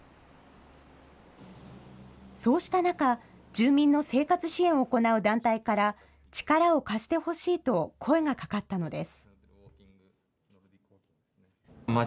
そうした中、住民の生活支援を行う団体から、力を貸してほしいと声がかかったのです。